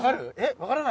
分からない？